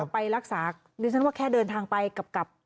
ไปรักษาดิฉันว่าแค่เดินทางไปกับ